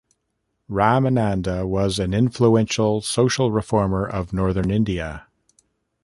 Ramananda was an influential social reformer of Northern India.